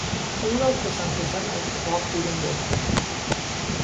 او را کشان کشان از اتاق بیرون بردند.